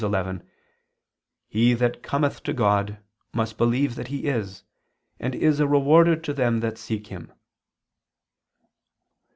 11: "He that cometh to God, must believe that He is, and is a rewarder to them that seek Him."